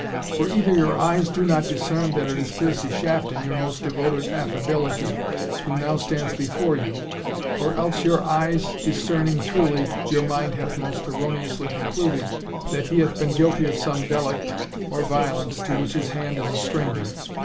For either your eyes do not discern that it is Piercie Shafton, your most devoted Affability, who now stands before you, or else, your eyes discerning truly, your mind hath most erroneously concluded that he hath been guilty of some delict or violence to which his hand is a stranger.